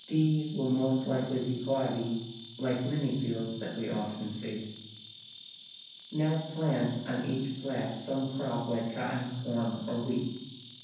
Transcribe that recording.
D will most likely be cloddy, like many fields that we often see. Now plant on each plat some crop like cotton, corn, or wheat.